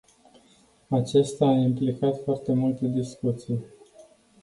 Aceasta a implicat foarte multe discuții.